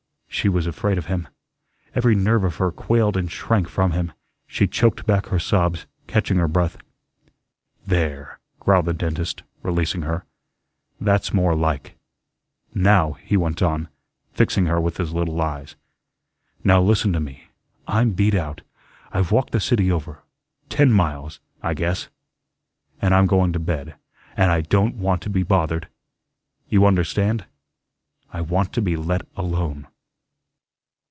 She was afraid of him. Every nerve of her quailed and shrank from him. She choked back her sobs, catching her breath. "There," growled the dentist, releasing her, "that's more like. Now," he went on, fixing her with his little eyes, "now listen to me. I'm beat out. I've walked the city over ten miles, I guess an' I'm going to bed, an' I don't want to be bothered. You understand? I want to be let alone."